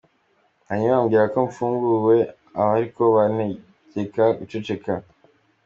Hanyuma bambwira ko mfunguwe, ariko bantegeka gucecekeka.